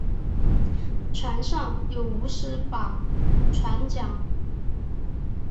船上有五十把船浆。